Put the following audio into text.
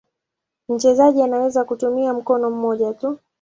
Mchezaji anaweza kutumia mkono mmoja tu.